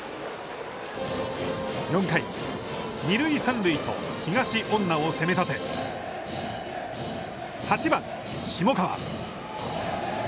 ４回、二塁、三塁と東恩納を攻め立て８番下川。